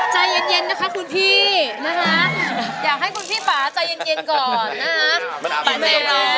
ใจเย็นด้วยค่ะคุณพี่อยากให้คุณพี่ผ่าใจเย็นก่อนนะคะ